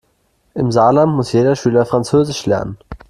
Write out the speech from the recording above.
Im Saarland muss jeder Schüler französisch lernen.